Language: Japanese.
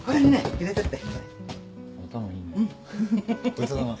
ごちそうさま。